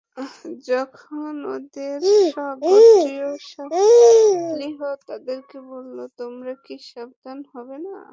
যখন ওদের স্বগোত্রীয় সালিহ তাদেরকে বলল, তোমরা কি সাবধান হবে না?